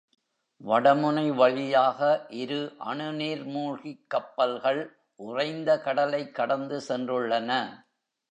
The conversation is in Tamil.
வடமுனை வழியாக இரு அணு நீர் மூழ்கிக் கப்பல்கள் உறைந்த கடலைக் கடந்து சென்றுள்ளன.